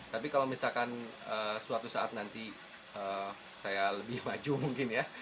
tapi kalau misalkan suatu saat nanti saya lebih maju mungkin ya